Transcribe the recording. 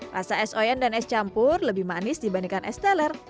rasa es oyen dan es campur lebih manis dibandingkan es teler